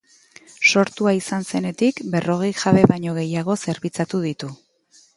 Sortua izan zenetik, berrogei jabe baino gehiago zerbitzatu ditu.